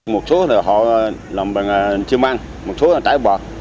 một số là họ làm bằng chim ăn một số là trái bọt